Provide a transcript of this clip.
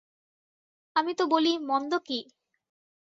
আমি তো বলি মন্দ কী!